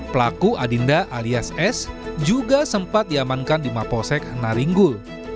pelaku adinda alias s juga sempat diamankan di maposek naringgul